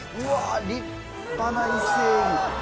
立派な伊勢エビ。